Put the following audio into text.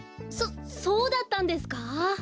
そそうだったんですか！？